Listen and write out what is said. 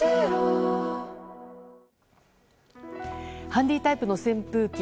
ハンディータイプの扇風機。